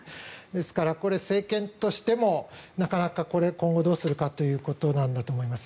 ですから、政権としてもなかなか今後どうするかということなんだと思います。